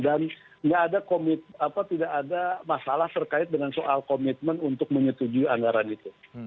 dan tidak ada masalah terkait dengan soal komitmen untuk menyetujui anggaran itu